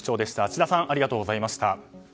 千田さんありがとうございました。